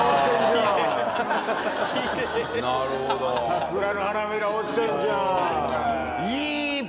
桜の花びら落ちてるじゃん。